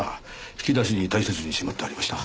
引き出しに大切にしまってありました。